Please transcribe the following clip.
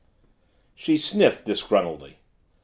She sniffed disgruntledly.